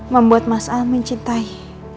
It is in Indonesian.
membuat mas almin cintai